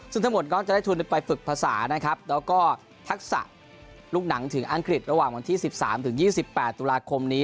ซึ่งทั้งหมดก็จะได้ทุนไปฝึกภาษานะครับแล้วก็ทักษะลูกหนังถึงอังกฤษระหว่างวันที่๑๓๒๘ตุลาคมนี้